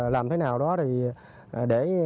làm thế nào đó để